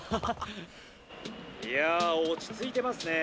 「いや落ち着いてますね。